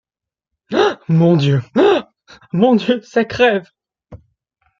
Ah! mon Dieu ! ah ! mon Dieu, ça crève...